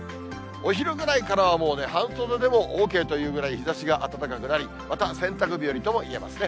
お昼ぐらいからはもうね、半袖でもＯＫというくらい日ざしが暖かくなり、また洗濯日和ともいえますね。